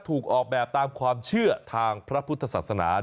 ถูกออกแบบตามความเชื่อทางพระพุทธศาสนา